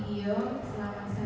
di tanah suci